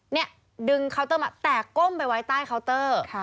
เนี่ยดึงเคาน์เตอร์มาแต่ก้มไปไว้ใต้เคาน์เตอร์